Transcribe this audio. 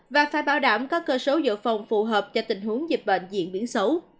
và phải bảo đảm có cơ số dự phòng phù hợp cho tình huống dịch bệnh diễn biến xấu